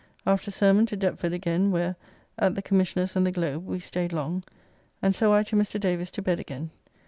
After sermon to Deptford again; where, at the Commissioner's and the Globe, we staid long. And so I to Mr. Davis's to bed again.